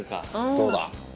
どうだ。